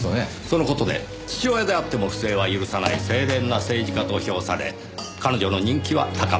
その事で父親であっても不正は許さない清廉な政治家と評され彼女の人気は高まった。